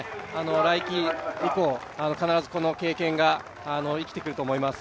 来季以降、必ずこの経験が生きてくると思います。